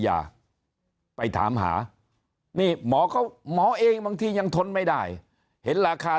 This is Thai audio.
ยาไปถามหานี่หมอก็หมอเองบางทียังทนไม่ได้เห็นราคา